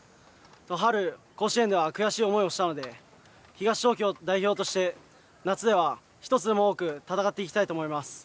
春、甲子園では悔しい思いをしたので、東東京代表として夏では、一つでも多く戦っていきたいと思います。